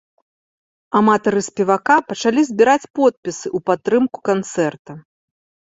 Аматары спевака пачалі збіраць подпісы ў падтрымку канцэрта.